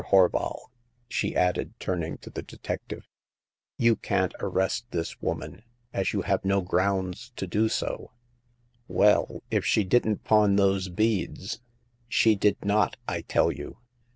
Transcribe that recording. Horval," she added, turning to the detective, " you can't arrest this woman, as you have no grounds to do so/* Well, if she didn't pawn those beads *''' She did not, I tell you."